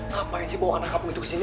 ngapain sih bawa anak kampung itu kesini